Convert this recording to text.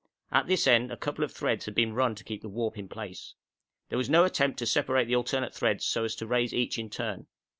At this end a couple of threads had been run to keep the warp in place. There was no attempt to separate the alternate threads so as to raise each in turn.